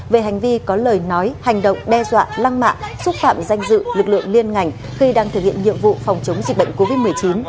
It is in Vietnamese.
về hành vi có lời nói hành động đe dọa lăng mạ xúc phạm danh dự lực lượng liên ngành khi đang thực hiện nhiệm vụ phòng chống dịch bệnh covid một mươi chín